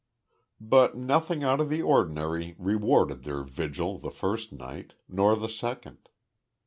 But nothing out of the ordinary rewarded their vigil the first night, nor the second.